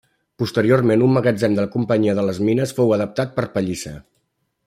Posteriorment un magatzem de la companyia de les mines fou adaptat per pallissa.